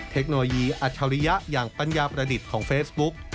เทคโนโลยีอัจฉริยะอย่างปัญญาประดิษฐ์ของเฟซบุ๊ก